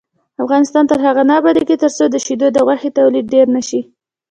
افغانستان تر هغو نه ابادیږي، ترڅو د شیدو او غوښې تولید ډیر نشي.